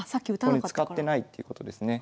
ここに使ってないっていうことですね。